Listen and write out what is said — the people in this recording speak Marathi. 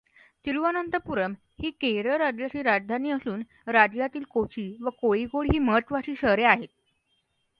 तिरुअनंतपुरम ही केरळ राज्याची राजधानी असून राज्यातील कोची व कोळिकोड ही महत्त्वाची शहरे आहेत.